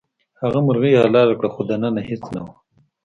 هغه مرغۍ حلاله کړه خو دننه هیڅ نه وو.